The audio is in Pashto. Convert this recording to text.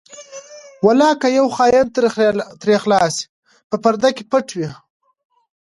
ولاکه یو خاین ترې خلاص شي په پرده کې پټ وي.